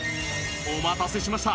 お待たせしました！